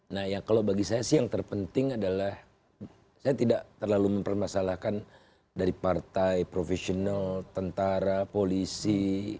nah ya kalau bagi saya sih yang terpenting adalah saya tidak terlalu mempermasalahkan dari partai profesional tentara polisi